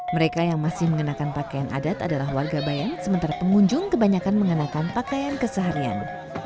mereka yang masih mengenakan pakaian adat adalah warga bayan sementara pengunjung kebanyakan mengenakan pakaian keseharian